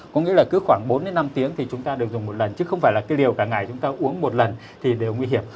có nghĩa là cứ khoảng bốn đến năm tiếng thì chúng ta được dùng một lần chứ không phải là cái điều cả ngày chúng ta uống một lần thì đều nguy hiểm